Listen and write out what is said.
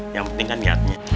yang penting kan niatnya